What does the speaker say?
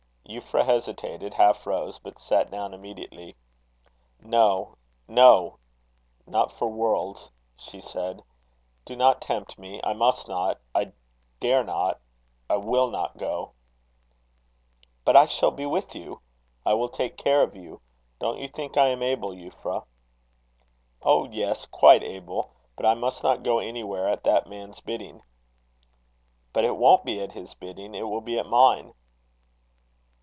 Euphra hesitated, half rose, but sat down immediately. "No, no! Not for worlds," she said. "Do not tempt me. I must not I dare not I will not go." "But I shall be with you. I will take care of you. Don't you think I am able, Euphra?" "Oh, yes! quite able. But I must not go anywhere at that man's bidding." "But it won't be at his bidding: it will be at mine."